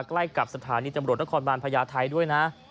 ใกล้กับสถานีตำรวจนครบาลพญาไทยด้วยนะ